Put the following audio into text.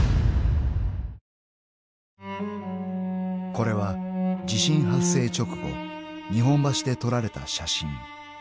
［これは地震発生直後日本橋で撮られた写真］